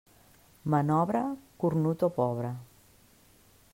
Manobre, cornut o pobre.